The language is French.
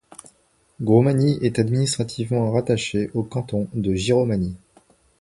Grosmagny est administrativement rattachée au canton de Giromagny.